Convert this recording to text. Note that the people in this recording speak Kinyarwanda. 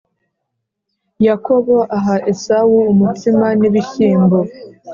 Yakobo aha Esawu umutsima n ibishyimbo